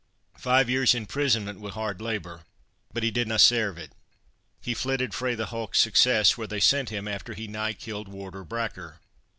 "Five years' imprisonment—wi' hard labour. But he didna sairve it. He flitted frae the hulk Success where they sent him after he nigh killed Warder Bracker.